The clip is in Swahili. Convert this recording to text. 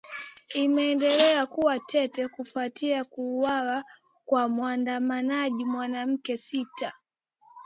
imendelea kuwa tete kufuatia kuwawa kwa waandamanaji wanawake sita